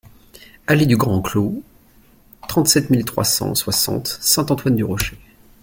Allée du Grand Clos, trente-sept mille trois cent soixante Saint-Antoine-du-Rocher